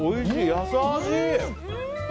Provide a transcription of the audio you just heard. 優しい！